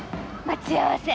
待ち合わせ。